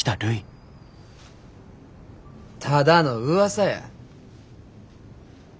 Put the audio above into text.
ただのうわさや。